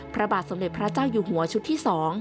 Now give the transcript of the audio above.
พระบาทสมเด็จพระเจ้าอยู่หัวชุดที่๒